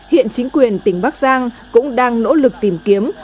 hiện chính quyền tỉnh bắc giang cũng đang nỗ lực tìm kiếm